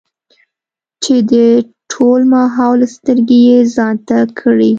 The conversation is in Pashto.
چې د ټول ماحول سترګې يې ځان ته کړې ـ